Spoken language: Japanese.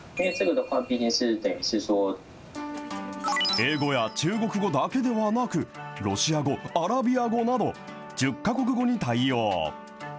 英語や中国語だけではなく、ロシア語、アラビア語など、１０か国語に対応。